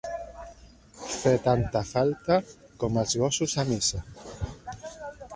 Fer tanta falta com els gossos a missa.